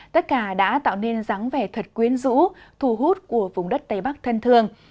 tất cả đã tạo nên ráng vẻ thật quyến rũ thu hút của vùng đất tây bắc thân thường